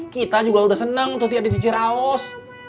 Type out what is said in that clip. kita juga udah seneng tuti ada di ciraos